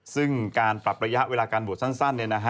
ซึ่งการปรับระยะเวลาการบวชสั้น